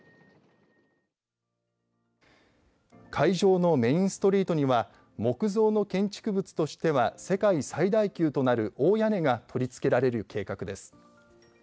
会場のメインストリートには木造の建築物としては世界最大級となる大屋根が取り付けられる計画です。